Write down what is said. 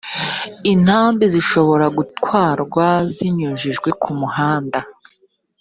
intambi zishobora gutwarwa zinyujijwe ku muhanda